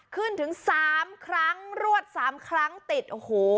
ถึง๓ครั้งรวด๓ครั้งติดโอ้โห